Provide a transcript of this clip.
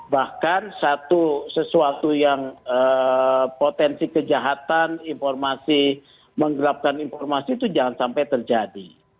bahkan sesuatu yang potensi kejahatan informasi menggelapkan informasi itu jangan sampai terjadi